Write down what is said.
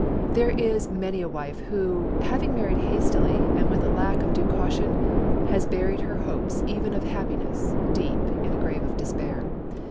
There is many a wife who, having married hastily and with a lack of due caution, has buried her hopes even of happiness deep in a grave of despair.